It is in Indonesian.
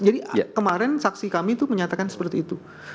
jadi kemarin saksi kami itu menyatakan seperti itu